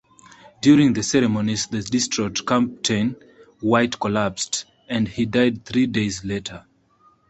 During the ceremonies, the distraught Captain White collapsed, and he died three days later.